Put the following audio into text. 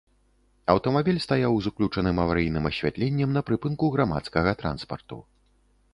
Аўтамабіль стаяў з уключаным аварыйным асвятленнем на прыпынку грамадскага транспарту.